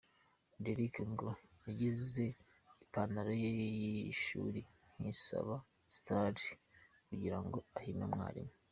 Derick ngo yagize ipantalo ye y’ishuri nk’izaba star kugirango ahime umwarimu.